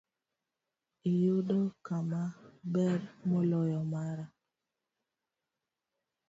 Iyudo kama ber moloyo mara.